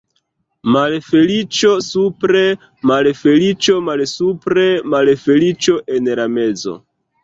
Malfeliĉo supre, malfeliĉo malsupre, malfeliĉo en la mezo.